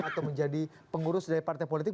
atau menjadi pengurus dari partai politik